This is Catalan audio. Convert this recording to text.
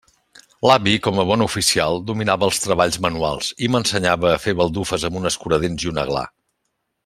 L'avi com a bon oficial, dominava els treballs manuals, i m'ensenyava a fer baldufes amb un escuradents i una gla.